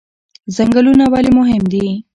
ځنګلونه ولې مهم دي؟